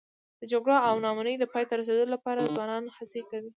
د جګړو او ناامنیو د پای ته رسولو لپاره ځوانان هڅې کوي.